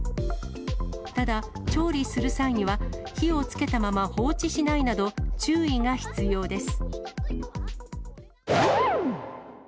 ただ、調理する際には、火をつけたまま放置しないなど、注意が必要です。